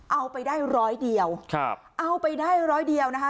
เอาไปได้ร้อยเดียวครับเอาไปได้ร้อยเดียวนะคะ